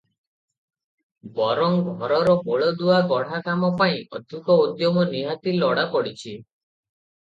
ବରଂ ଘରର ମୂଳଦୁଆ ଗଢ଼ା କାମ ପାଇଁ ଅଧକ ଉଦ୍ୟମ ନିହାତି ଲୋଡ଼ାପଡ଼ିଛି ।